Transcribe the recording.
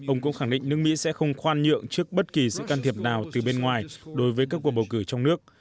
ông cũng khẳng định nước mỹ sẽ không khoan nhượng trước bất kỳ sự can thiệp nào từ bên ngoài đối với các cuộc bầu cử trong nước